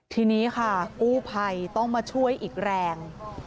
ทีนี้ค่ะกู้ภัยต้องมาช่วยอีกแรง